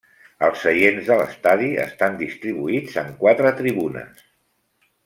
Els seients de l'estadi estan distribuïts en quatre tribunes.